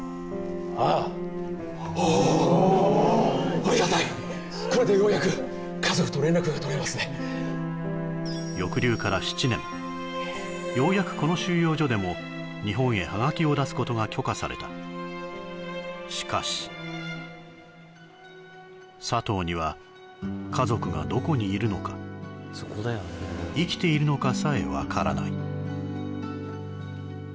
・ああおおありがたいこれでようやく家族と連絡がとれますねようやくこの収容所でも日本へハガキを出すことが許可されたしかし佐藤には家族がどこにいるのか生きているのかさえ分からない